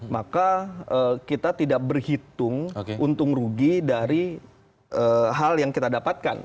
maka kita tidak berhitung untung rugi dari hal yang kita dapatkan